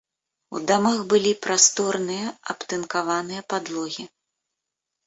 У дамах былі прасторныя абтынкаваныя падлогі.